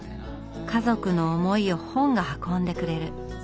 家族の思いを本が運んでくれる。